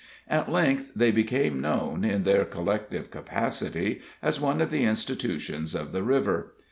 At length they became known, in their collective capacity, as one of the institutions of the river.